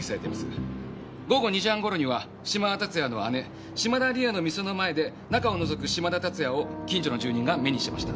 午後２時半頃には嶋田龍哉の姉嶋田理恵の店の前で中をのぞく嶋田龍哉を近所の住人が目にしてました。